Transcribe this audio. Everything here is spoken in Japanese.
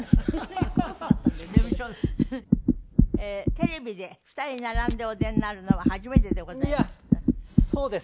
テレビで２人並んでお出になるのは初めてでございます。